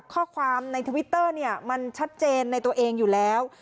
ข้อความในทวิตเตอร์เนี่ยมันชัดเจนในตัวเองอยู่แล้ว